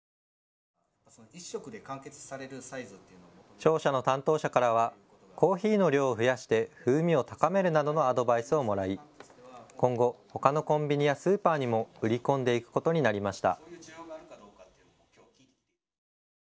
商社の担当者からはコーヒーの量を増やして風味を高めるなどのアドバイスをもらい、今後、ほかのコンビニやスーパーにも売り込んでいくことになりました。